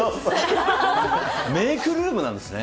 メークルームなんですね。